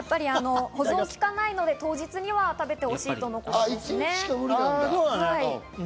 保存がきかないので当日に食べてくださいとのことです。